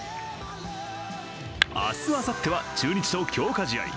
明日、あさっては中日と強化試合。